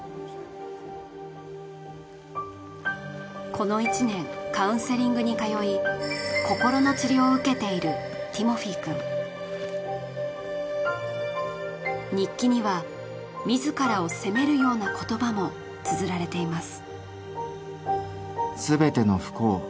この１年カウンセリングに通い心の治療を受けているティモフィーくん日記には自らを責めるような言葉も綴られています